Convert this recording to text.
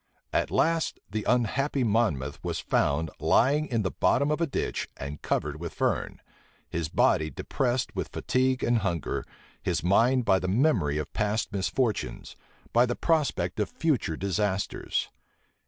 At last, the unhappy Monmouth was found, lying in the bottom of a ditch, and covered with fern; his body depressed with fatigue and hunger; his mind by the memory of past misfortunes, by the prospect of future disasters.